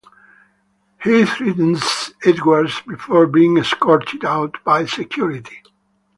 He threatens Edwards before being escorted out by security.